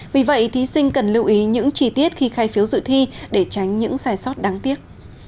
vì vậy thí sinh cần lưu ý những chi tiết khi khai phiếu dự thi để tránh những sai sót đáng tiếc